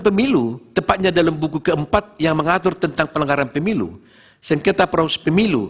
pemilu tepatnya dalam buku keempat yang mengatur tentang pelanggaran pemilu sengketa proses pemilu